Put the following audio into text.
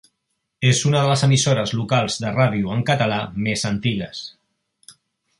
És una de les emissores locals de ràdio en català més antigues.